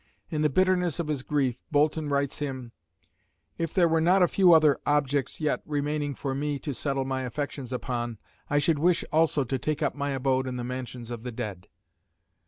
In the bitterness of his grief, Boulton writes him: "If there were not a few other objects yet remaining for me to settle my affections upon, I should wish also to take up my abode in the mansions of the dead."